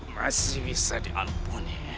masih bisa diampuni